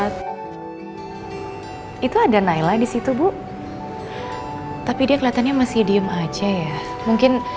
terima kasih ibu